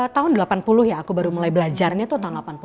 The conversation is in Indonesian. tahun delapan puluh ya aku baru mulai belajarnya tuh tahun delapan puluh